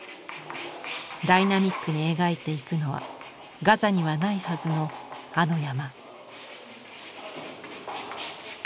ダイナミックに描いていくのはガザにはないはずのあの山。